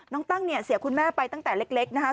น้องตั้งเสียคุณแม่ไปตั้งแต่เล็กนะคะ